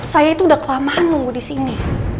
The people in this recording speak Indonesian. saya itu udah kelamaan nunggu di sini